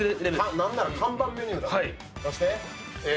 何なら看板メニューだったと。